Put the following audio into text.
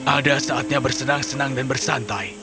ada saatnya bersenang senang dan bersantai